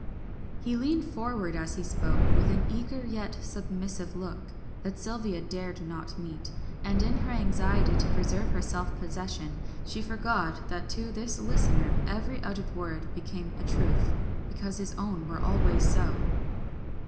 He leaned forward as he spoke, with an eager yet submissive look, that Sylvia dared not meet, and in her anxiety to preserve her self possession, she forgot that to this listener every uttered word became a truth, because his own were always so.